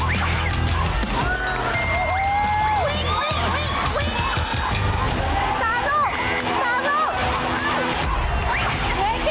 เรียกวิ้น